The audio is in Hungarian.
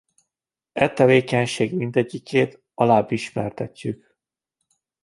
E tevékenységek mindegyikét alább ismertetjük.